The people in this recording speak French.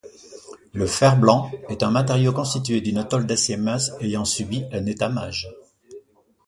Le fer-blanc est un matériau constitué d'une tôle d'acier mince ayant subi un étamage.